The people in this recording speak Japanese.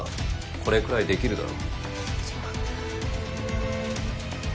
これくらい出来るだろ。